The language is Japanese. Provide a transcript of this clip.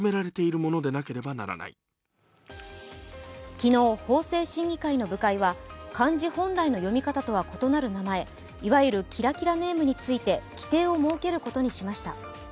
昨日、法制審議会の部会は漢字本来の読み方とは異なる名前、いわゆるキラキラネームについて規定を設けることにしました。